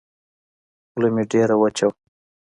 خوله مې ډېره وچه وه.